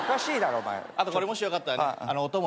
あとこれもしよかったらねお供に。